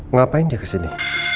ngapain dia kesini